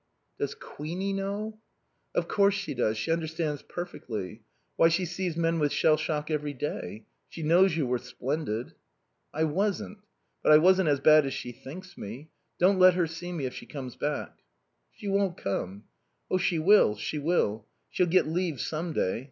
"Does Queenie know?" "Of course she does. She understands perfectly. Why, she sees men with shell shock every day. She knows you were splendid." "I wasn't. But I wasn't as bad as she thinks me. ... Don't let her see me if she comes back." "She won't come." "She will. She will. She'll get leave some day.